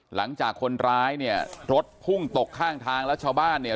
หลังจากคนร้ายเนี่ยรถพุ่งตกข้างทางแล้วชาวบ้านเนี่ย